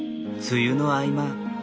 梅雨の合間。